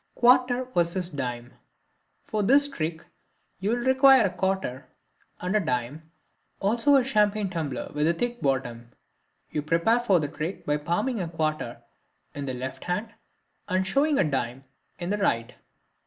Quarter vs. Dime.—For this trick you will require a quarter and a dime, also a champagne tumbler with a thick bottom. You prepare for the trick by palming a quarter in the left hand and showing a dime in I the right.